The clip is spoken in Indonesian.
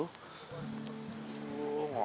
lo ngambek kecanda kali